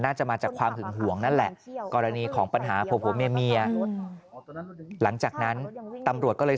น่าจะมาจากความหึงห่วงนั่นแหละกรณีของปัญหาผัวเมียหลังจากนั้นตำรวจก็เลย